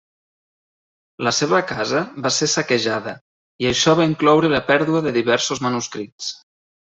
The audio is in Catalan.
La seva casa va ser saquejada, i això va incloure la pèrdua de diversos manuscrits.